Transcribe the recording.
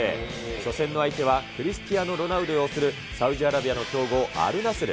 初戦の相手は、クリスティアーノ・ロナウド擁するサウジアラビアの強豪、アルナスル。